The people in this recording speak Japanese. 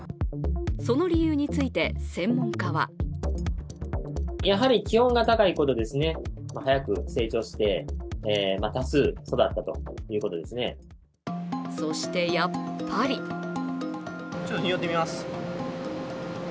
その理由について専門家はそしてやっぱりちょっとにおってみます。